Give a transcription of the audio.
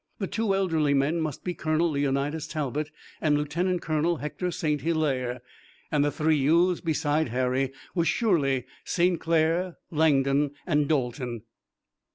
The two elderly men must be Colonel Leonidas Talbot and Lieutenant Colonel Hector St. Hilaire, and the three youths beside Harry were surely St. Clair, Langdon and Dalton.